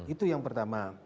itu yang pertama